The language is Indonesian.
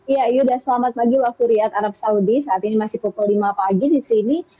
ya yuda selamat pagi waktu riyad arab saudi saat ini masih pukul lima pagi di sini